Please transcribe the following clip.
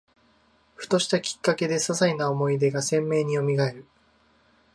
ふとしたきっかけで、ささいな思い出が鮮明によみがえる